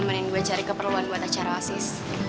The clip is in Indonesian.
ngemenin gue cari keperluan buat acara oasis